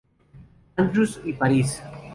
Andrews y París.